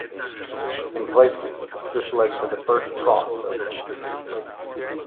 In places, this led to the first frost of the winter season.